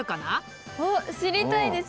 わっ知りたいです！